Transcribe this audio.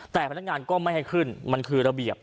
แต่พนักงานก็ไม่ให้ขึ้นมันคือระเบียบ